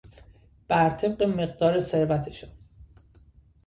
بر طبق مقدار ثروتشان